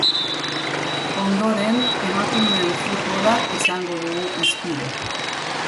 Ondoren emakumeen futbola izango dugu hizpide.